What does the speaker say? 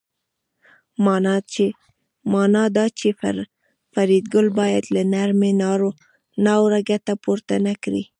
مانا دا چې فریدګل باید له نرمۍ ناوړه ګټه پورته نکړي